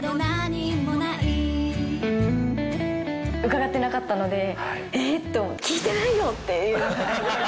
伺ってなかったので、えーっと思って、聞いてないよっていう。